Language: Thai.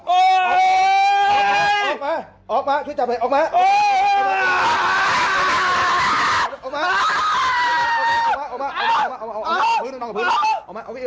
ออกมาช่วยจับเหลือออกมา